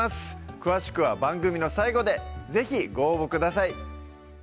詳しくは番組の最後で是非ご応募ください